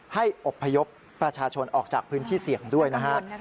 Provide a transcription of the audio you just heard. อบพยพประชาชนออกจากพื้นที่เสี่ยงด้วยนะฮะ